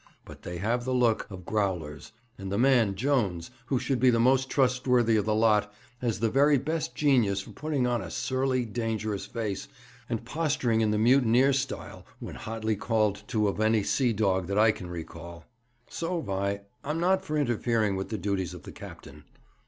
But they have the look of growlers, and the man Jones, who should be the most trustworthy of the lot, has the very best genius for putting on a surly, dangerous face, and posturing in the mutineer style when hotly called to of any sea dog that I can recall. So, Vi, I'm not for interfering with the duties of the captain.'